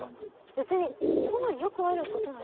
別にこんなのよくあることだし。